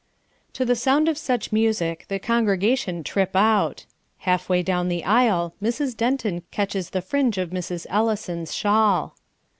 To the sound of such music the congregation trip out. Half way down the aisle Mrs. Denton catches the fringe of Mrs. Ellison's shawl.